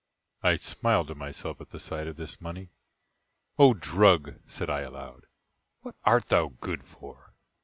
I smiled to myself at the sight of this money: "O drug!" said I, aloud, "what art thou good for?